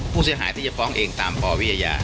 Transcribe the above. ผู้เสียหายที่จะฟ้องเองตามปวิทยา